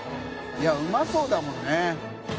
いうまそうだもんね。